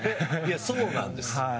そうなんです。